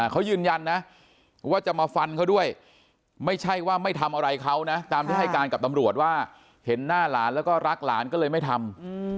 เขายืนยันนะว่าจะมาฟันเขาด้วยไม่ใช่ว่าไม่ทำอะไรเขานะตามที่ให้การกับตำรวจว่าเห็นหน้าหลานแล้วก็รักหลานก็เลยไม่ทำ